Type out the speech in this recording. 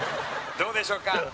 どうでしょうか？